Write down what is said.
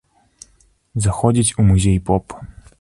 Заходзіць у музей поп.